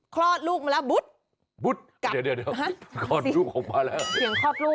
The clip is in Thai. คลอดลูกออกมาแล้ว